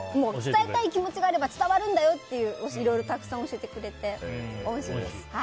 伝えたい気持ちがあれば伝わるんだよっていろいろ、たくさん教えてくれて恩師です。